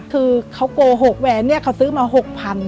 คือเขาโกหกแหวนเนี่ยเขาซื้อมา๖๐๐บาท